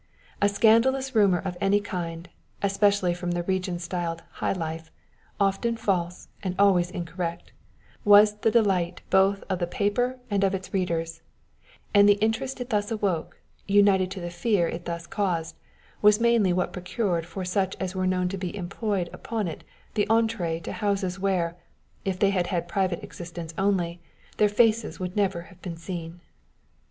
A scandalous rumor of any kind, especially from the region styled "high life," often false, and always incorrect, was the delight both of the paper and of its readers; and the interest it thus awoke, united to the fear it thus caused, was mainly what procured for such as were known to be employed upon it the entree of houses where, if they had had a private existence only, their faces would never have been seen.